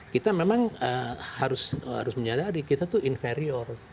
kita memang harus menyadari kita tuh inferior